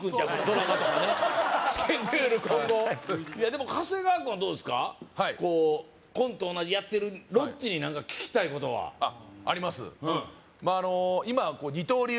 今後でも長谷川君はどうですかコント同じやってるロッチに何か聞きたいことはあります